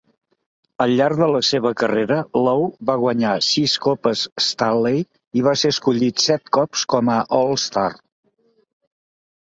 Al llarg de la seva carrera, Lowe va guanyar sis Copes Stanley i va ser escollit set cops com a All-Star.